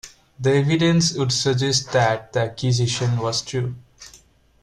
The evidence would suggest that the accusation was true.